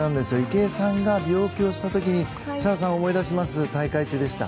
池江さんが病気をした時にサラさんを思い出します、大会中でした。